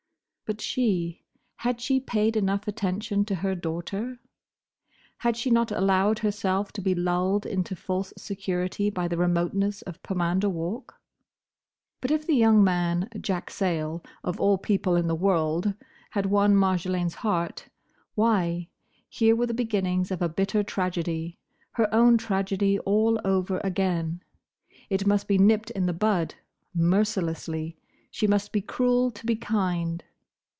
But she—had she paid enough attention to her daughter? Had she not allowed herself to be lulled into false security by the remoteness of Pomander Walk? But if the young man—Jack Sayle, of all people in the world!—had won Marjolaine's heart, why, here were the beginnings of a bitter tragedy: her own tragedy all over again. It must be nipped in the bud. Mercilessly. She must be cruel to be kind.